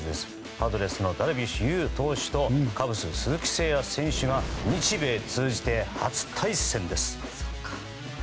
パドレスのダルビッシュ有投手とカブス、鈴木誠也選手が日米通じて初対戦です。